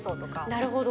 なるほど。